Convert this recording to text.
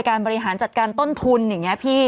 บริหารจัดการต้นทุนอย่างนี้พี่